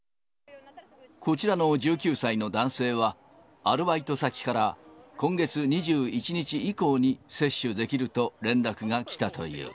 こちらの１９歳の男性は、アルバイト先から、今月２１日以降に接種できると連絡が来たという。